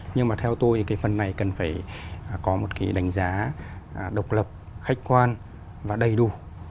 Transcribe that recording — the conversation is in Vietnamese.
nhưng mà theo tôi cái phần này cần phải có một cái đánh giá độc lập khách quan và đầy đủ